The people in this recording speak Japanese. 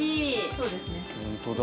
そうですね。